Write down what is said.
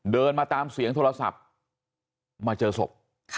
เดินมาตามเสียงโทรศัพท์มาเจอศพ